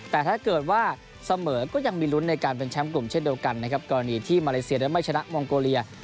แต่ถ้าเกิดว่าเสมอก็ยังมีลุ้นในการเป็นแชมป์กลุ่มเช่นเดียวกันนะครับกรณีที่มาเลเซียนั้นไม่ชนะมองโกเลีย